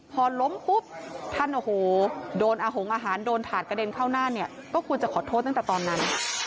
พอล้มปุ๊บท่านโอ้โหโดนอาหงอาหารโดนถาดกระเด็นเข้าหน้าเนี่ยก็ควรจะขอโทษตั้งแต่ตอนนั้น